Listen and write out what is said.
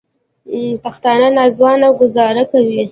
پښتانه نا ځوانه ګوزار کوي